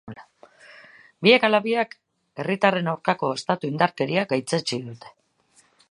Biek ala biek herritarren aurkako estatu indarkeria gaitzetsi dute.